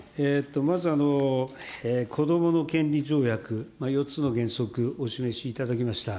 まず、子どもの権利条約、４つの原則をお示しいただきました。